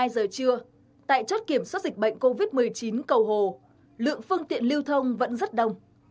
hai mươi giờ trưa tại chốt kiểm soát dịch bệnh covid một mươi chín cầu hồ lượng phương tiện lưu thông vẫn rất đông